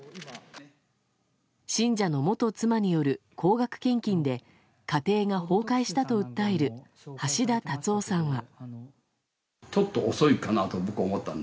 信者の元妻による高額献金で家庭が崩壊したと訴える橋田達夫さんは。